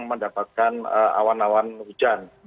mendapatkan awan awan hujan